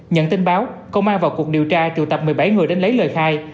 nhận tin báo công an vào cuộc điều tra triệu tập một mươi bảy người đến lấy lời khai